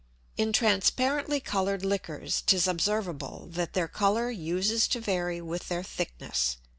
In transparently colour'd Liquors 'tis observable, that their Colour uses to vary with their thickness.